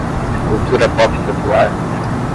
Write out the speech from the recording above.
Cultura pop popular